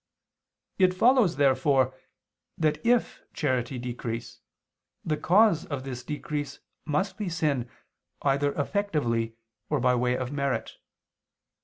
It follows, therefore, that if charity decrease, the cause of this decrease must be sin either effectively or by way of merit.